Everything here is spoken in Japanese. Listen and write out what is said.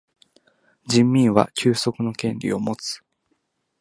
人民は休息の権利をもつ。